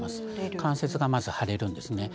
関節がまず腫れるんです。